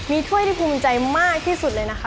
มีถ้วยที่ภูมิใจมากที่สุดเลยนะคะ